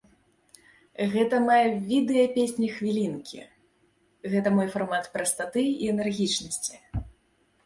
Гэта мае відэа-песні-хвілінкі, гэта мой фармат прастаты і энергічнасці.